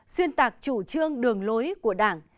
xuyên tạc chủ trương đường lối của đảng